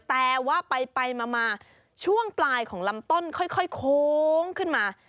แต่ว่าไปมาช่วงปลายของลำต้นค่อยโค้งขึ้นมา